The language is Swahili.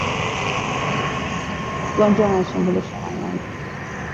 Magonjwa yanayoshambulia ngombe